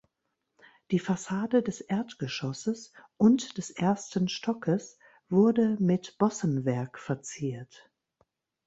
Die Fassade des Erdgeschosses und des ersten Stockes wurde mit Bossenwerk verziert.